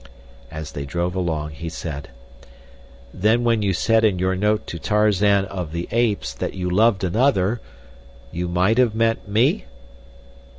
As they drove along, he said: "Then when you said in your note to Tarzan of the Apes that you loved another—you might have meant me?"